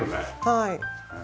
はい。